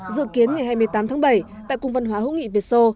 dự kiến ngày hai mươi tám tháng bảy tại cung văn hóa hữu nghị việt sô